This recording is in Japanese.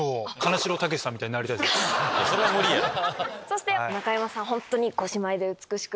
それは無理やろ。